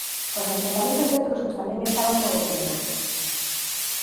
Os asentamentos etruscos tamén estaban na veciñanza.